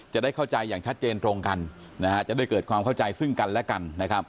จะได้ฟังข้อมูลอย่างครบถ้วน